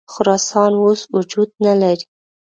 خراسان اوس وجود نه لري.